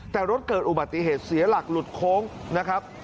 แต่รถเกิดอุบัติเหตุเสียหลักหลุดโค้งนะครับ